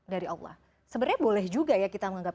dari allah sebenarnya boleh juga ya kita menganggap